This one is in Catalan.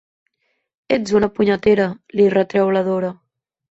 Ets una punyetera —li retreu la Dora.